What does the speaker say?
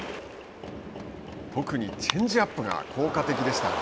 特にチェンジアップが効果的でした。